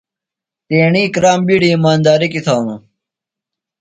تیݨی کرام بِیڈیۡ ایماندیرِیۡ کیۡ تھانوۡ۔